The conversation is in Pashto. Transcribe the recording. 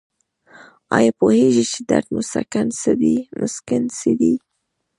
ایا پوهیږئ چې درد مسکن څه دي؟